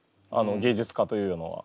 芸術家というのは。